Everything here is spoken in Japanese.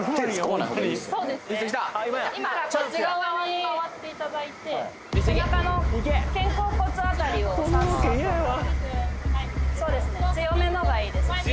今こっち側に回っていただいて背中の肩甲骨辺りをサッサッとそうですね強めのほうがいいです